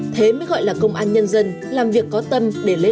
thế mới gọi là công an nhân dân làm việc có tâm